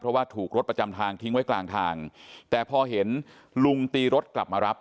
เพราะว่าถูกรถประจำทางทิ้งไว้กลางทางแต่พอเห็นลุงตีรถกลับมารับ